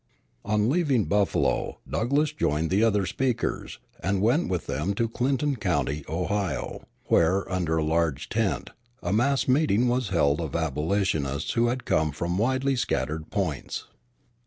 On leaving Buffalo, Douglass joined the other speakers, and went with them to Clinton County, Ohio, where, under a large tent, a mass meeting was held of abolitionists who had come from widely scattered points.